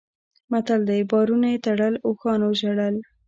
متل دی: بارونه یې تړل اوښانو ژړل.